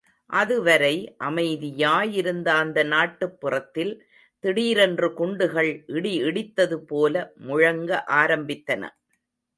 அதுவரை அமைதியாயிருந்த அந்த நாட்டுப் புறத்தில் திடீரென்று குண்டுகள் இடி இடித்தது போல முழங்க ஆரம்பித்தன.